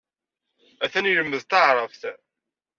Atan ilemmed taɛrabt.